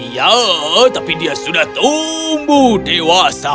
ya tapi dia sudah tumbuh dewasa